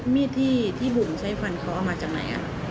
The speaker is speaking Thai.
มีดที่บุ๋มใช้ฟันเขาเอามาจากไหน